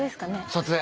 撮影。